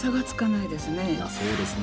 いや、そうですね。